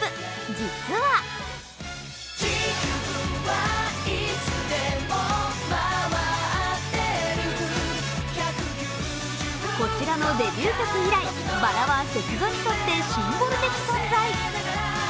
実はこちらのデビュー曲以来、ばらはセクゾにとってシンボル的存在。